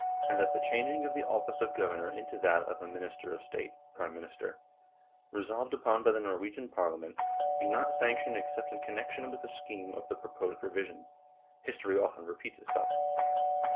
and that the changing of the office of governor into that of a Minister of State (Prime Minister), resolved upon by the Norwegian Parliament, be not sanctioned except in connec tion with the scheme of the proposed revision. History often repeats itself.